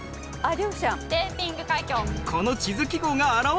デイピング海峡。